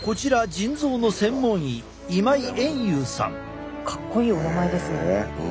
こちらかっこいいお名前ですね。